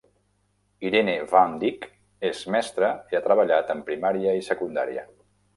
Irene van Dyk és mestra i ha treballat en primària i secundària.